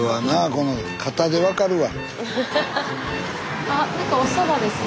この肩で分かるわ。